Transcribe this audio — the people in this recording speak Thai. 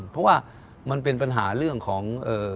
เพราะว่ามันเป็นปัญหาเรื่องของ